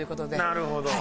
なるほど。